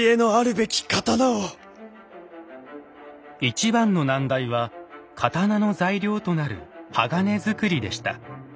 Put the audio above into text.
一番の難題は刀の材料となる鋼づくりでした。